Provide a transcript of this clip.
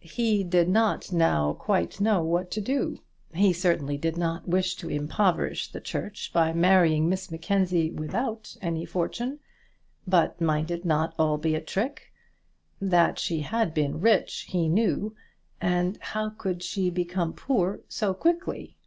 He did not now quite know what to do. He certainly did not wish to impoverish the Church by marrying Miss Mackenzie without any fortune. But might it not all be a trick? That she had been rich he knew, and how could she have become poor so quickly?